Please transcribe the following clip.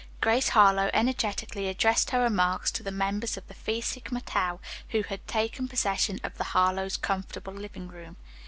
Grace Harlowe energetically addressed her remarks to the members of the Phi Sigma Tau, who had taken possession of the Harlowe's comfortable living room.